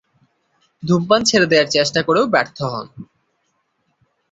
ধূমপান ছেড়ে দেয়ার চেষ্টা করেও ব্যর্থ হন।